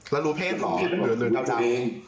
แล้วรู้เพศเหรอรู้จัง